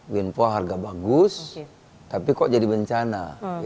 winpo harga bagus tapi kok jadi bencana